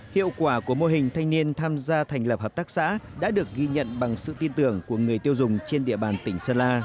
hiệu quả của mô hình thanh niên tham gia thành lập hợp tác xã đã được ghi nhận bằng sự tin tưởng của người tiêu dùng trên địa bàn tỉnh sơn la